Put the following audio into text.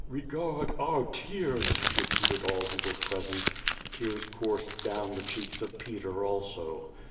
"Regard our tears," repeated all who were present. Tears coursed down the cheeks of Peter also.